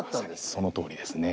そのとおりですね。